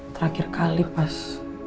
terakhir kali pas